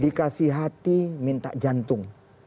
dikasih hati minta jantung